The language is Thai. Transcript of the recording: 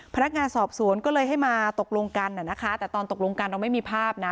พนักงานสอบสวนก็เลยให้มาตกลงกันนะคะแต่ตอนตกลงกันเราไม่มีภาพนะ